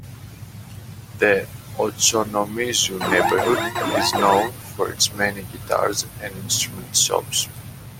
The Ochanomizu neighborhood is known for its many guitar and instrument shops.